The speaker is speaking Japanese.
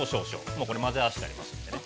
もう、これ混ぜ合わせてありますんでね。